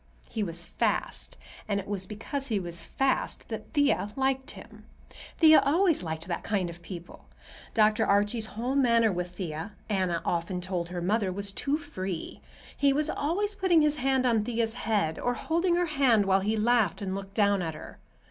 He was "fast," and it was because he was "fast" that Thea liked him. Thea always liked that kind of people. Dr. Archie's whole manner with Thea, Anna often told her mother, was too free. He was always putting his hand on Thea's head, or holding her hand while he laughed and looked down at her.